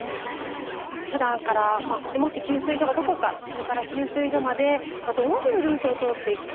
だからふだんから給水所がどこかそれから給水所までどういうルートを通っていくか。